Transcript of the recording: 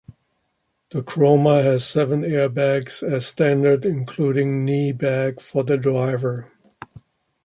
The Croma has seven airbags as standard including knee bag for the driver.